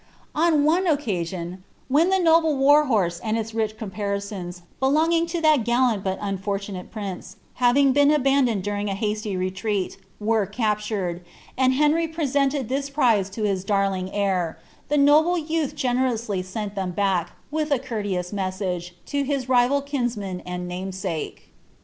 On one occasion, when itw noble war horsG and its rich caparisons, belonging to that gallant bM unfortunate prince, having been abandoned during a hasty retreat, wen captured, and Henry presented this prize to his darling heir, the ddUb youth generously sent them back, with a courteous message, to hi» lind Lmsman ajid namesake.'